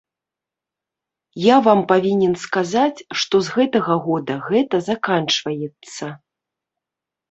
Я вам павінен сказаць, што з гэтага года гэта заканчваецца.